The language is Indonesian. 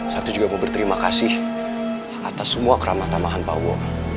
sakti juga mau berterima kasih atas semua keramatamahan papa